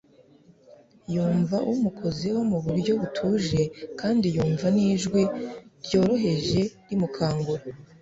yumva umukozeho mu buryo butuje kandi yumva nijwi ryoroheje rimukangura